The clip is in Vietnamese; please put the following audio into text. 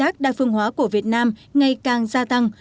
hợp đa phương hóa của việt nam ngày càng gia tăng